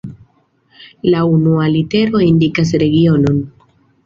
La unua litero indikas regionon.